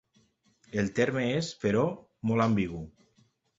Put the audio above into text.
El terme és, però, molt ambigu.